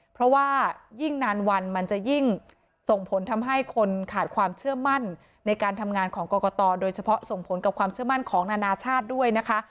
เพราะว่ายิ่งนานวันมันจะยิ่งส่งผลทำให้คนขาดความเชื่อมั่นในการทำงานของกรกตโดยเฉพาะส่งผลกับความเชื่อมั่นของนานาชาติด้วยนะคะ